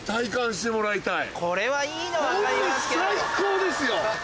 これ最高ですよ！